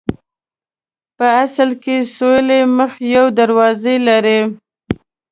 په اصل کې سویلي مخ یوه دروازه لري.